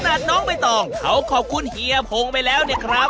ไม่คิดของการดำเนินชีวิตนะ